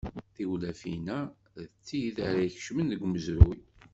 Tiwlafin-a d tid ara ikecmen deg umezruy.